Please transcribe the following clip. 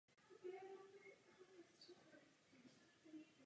Trup obdélníkového průřezu byl vyroben ze dřeva a byl pokryt překližkou a plátnem.